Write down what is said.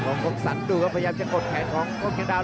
โคมสันทีครับพยายามจะกดเคล็ดของโกงเกดาว